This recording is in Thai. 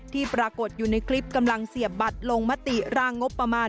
ที่ปรากฏอยู่ในคลิปกำลังเสียบบัตรลงมติร่างงบประมาณ